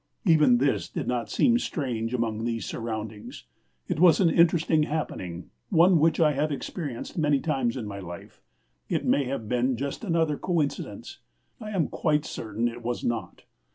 Even this did not seem strange among these surroundings. It was an interesting happening, one which I have experienced many times in my life. It may have been just another coincidence. I am quite certain it was not.